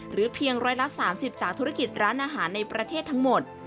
เพียงร้อยละ๓๐จากธุรกิจร้านอาหารในประเทศทั้งหมด